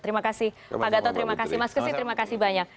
terima kasih pak gatot terima kasih mas kesi terima kasih banyak